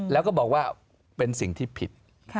แล้วก็บอกว่าเป็นสิ่งที่ผิด